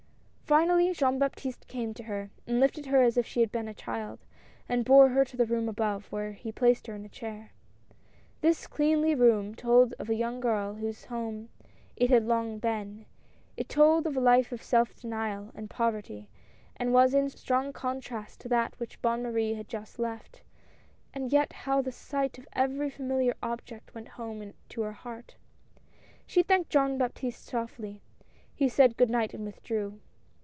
Finally J ean Baptiste came to her, and lifted her as if she had been a child, and bore her to the room above where he placed her in a chair. This cleanly room told of the young girl whose home it had long been, it told of a life of self denial and poverty, and was in strong contrast to that which Bonne Marie had just left ; and yet how the sight of every familiar object went home to her heart. She thanked Jean Baptiste softly — he said good night and withdrew.